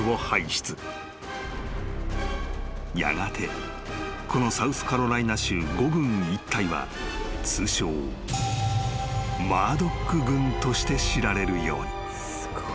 ［やがてこのサウスカロライナ州５郡一帯は通称マードック郡として知られるように］